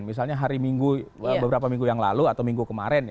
misalnya hari minggu beberapa minggu yang lalu atau minggu kemarin